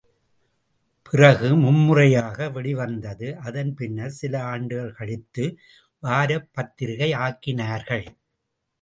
பிறகு மும்முறையாக வெளிவந்தது, அதன் பின்னர் சில ஆண்டுகள் கழித்து வாரப்பத்திரிக்கை ஆக்கினார்கள்.